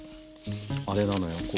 あれなのよ